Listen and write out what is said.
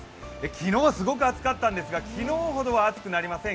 昨日はすごく暑かったんですが、昨日ほどは暑くなりません。